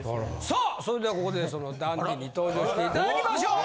さあそれではここでそのダンディに登場していただきましょう。